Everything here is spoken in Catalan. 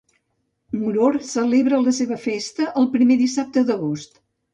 Moror celebrava la seva festa el primer dissabte d'agost.